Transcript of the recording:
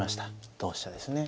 同飛車ですね。